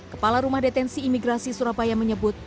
kepala rumah detensi imigrasi surabaya menyebut